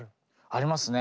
ありますね。